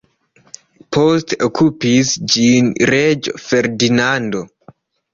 Poste okupis ĝin reĝo Ferdinando.